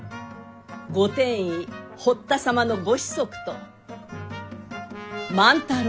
御殿医堀田様の御子息と万太郎が。